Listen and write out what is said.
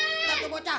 eh gak ada bocah